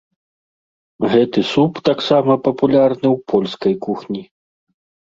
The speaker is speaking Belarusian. Гэты суп таксама папулярны ў польскай кухні.